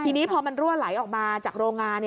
ทีนี้พอมันรั่วไหลออกมาจากโรงงาน